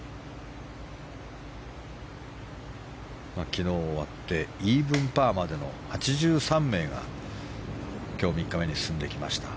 昨日終わってイーブンパーまでの８３名が、今日、３日目に進んできました。